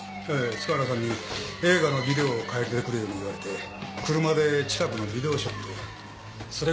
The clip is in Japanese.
塚原さんに映画のビデオを借りてくるように言われて車で近くのビデオショップへ。